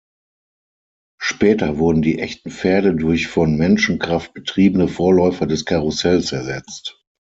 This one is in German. Später wurden die echten Pferde durch von Menschenkraft betriebene Vorläufer des Karussells ersetzt.